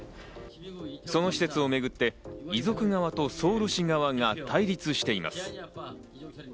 その施設をめぐって遺族側とソウル市側が対立しています。